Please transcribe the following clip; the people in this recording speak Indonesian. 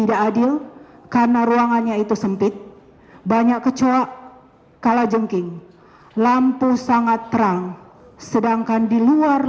adil karena ruangannya itu sempit banyak kecoak kalajengking lampu sangat terang sedangkan di luar